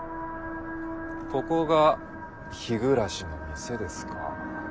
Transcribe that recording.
ここが日暮の店ですか。